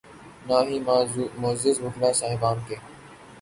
نہ ہی معزز وکلا صاحبان کے۔